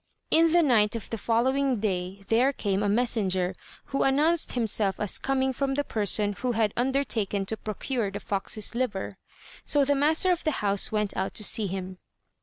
In the night of the following day there came a messenger, who announced himself as coming from the person who had undertaken to procure the fox's liver; so the master of the house went out to see him.